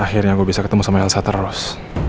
akhirnya gue bisa ketemu sama elsa ros